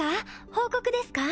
報告ですか？